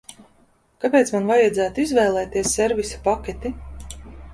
Kāpēc man vajadzētu izvēlēties servisa paketi?